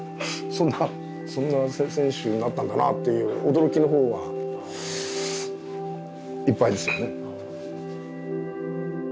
そんなそんな選手になったんだなという驚きのほうがいっぱいですよね。